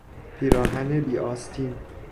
پیراهن بی آستین